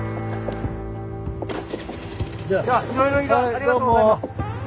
ありがとうございます。